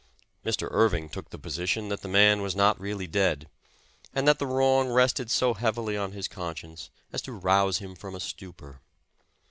Mr. Irving took the position that the man was not really dead, and that the wrong rested so heavily on his conscience as to rouse him from a stupor.